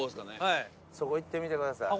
そこ行ってみてください。